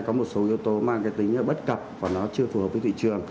có một số yếu tố mang cái tính bất cập và nó chưa phù hợp với thị trường